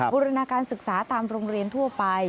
บูรณาการศึกษาตามโรงเรียนทั่วไป